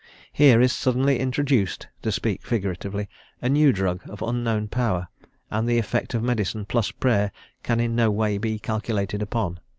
Here is suddenly introduced to speak figuratively a new drug of unknown power, and the effect of medicine plus Prayer can in no way be calculated upon.